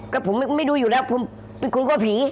ก็ผมไม่ดูอยู่แล้วคุณก็ผี